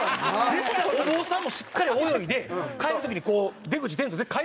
絶対お坊さんもしっかり泳いで帰る時にこう出口出んと絶対買いますよね。